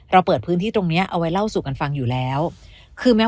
เปิดพื้นที่ตรงเนี้ยเอาไว้เล่าสู่กันฟังอยู่แล้วคือแม้